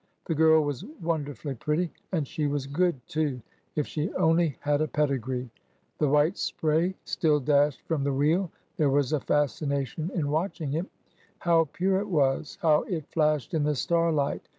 The girl was wonderfully pretty. And she was good too. If she only had a pedigree !... The white spray still dashed from the wheel. There was a fascination in watching it. How pure it was ! How it flashed in the starlight!